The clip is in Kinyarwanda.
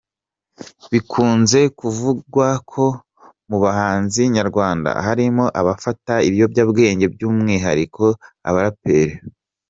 Bikunze kuvugwa ko mu bahanzi nyarwanda harimo abafata ibiyobyabwenge by’umwihariko abaraperi.